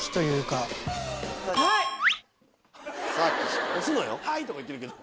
ピンポンはい！とか言ってるけど。